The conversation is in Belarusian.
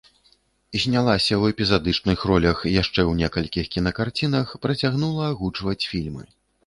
Знялася ў эпізадычных ролях яшчэ ў некалькіх кінакарцінах, працягнула агучваць фільмы.